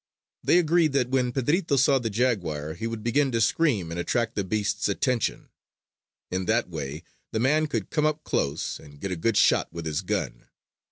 They agreed that when Pedrito saw the jaguar he would begin to scream to attract the beast's attention. In that way the man could come up close and get a good shot with his gun.